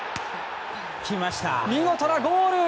見事なゴール！